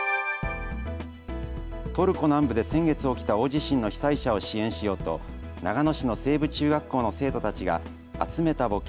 トルコ南部で先月起きた大地震の被災者を支援しようと長野市の西部中学校の生徒たちが集めた募金